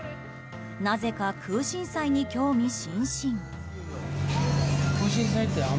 なぜかクウシンサイに興味津々。